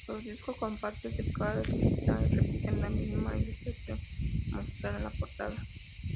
Los discos compactos de cada digipack repiten la misma ilustración mostrada en la portada.